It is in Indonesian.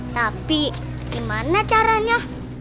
tapi gimana caranya